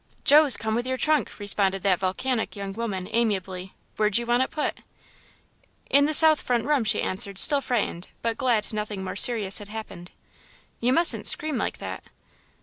"Joe's come with your trunk," responded that volcanic young woman, amiably; "where'd you want it put?" "In the south front room," she answered, still frightened, but glad nothing more serious had happened. "You mustn't scream like that."